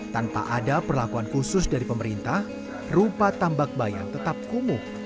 tanpa ada perlakuan khusus dari pemerintah rupa tambak bayan tetap kumuh